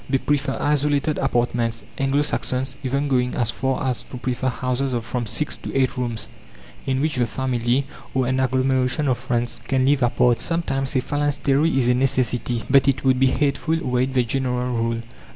They prefer isolated apartments, Anglo Saxons even going as far as to prefer houses of from six to eight rooms, in which the family, or an agglomeration of friends, can live apart. Sometimes a phalanstery is a necessity, but it would be hateful, were it the general rule.